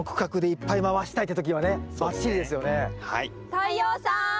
太陽さん！